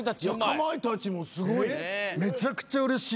かまいたちもすごい。